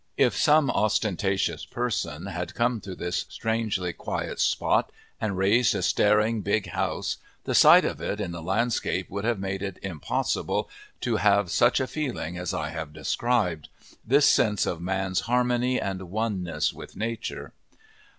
If some ostentatious person had come to this strangely quiet spot and raised a staring, big house, the sight of it in the landscape would have made it impossible to have such a feeling as I have described this sense of man's harmony and oneness with nature.